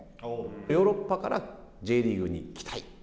ヨーロッパからＪリーグに来たい。